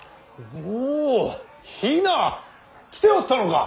おお比奈！来ておったのか。